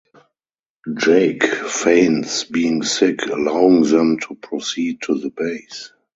Jake feigns being sick, allowing them to proceed to the base.